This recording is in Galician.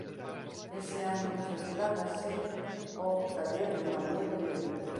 Ese ano trasládase ao taller de Manuel Benedito.